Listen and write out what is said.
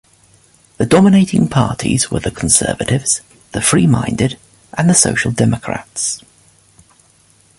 The dominating parties were the conservatives, the freeminded and the social democrats.